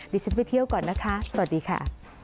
ดิฉันไปเที่ยวก่อนนะคะสวัสดีค่ะ